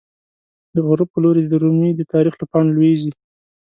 د غروب په لوری د رومی، د تاریخ له پاڼو لویزی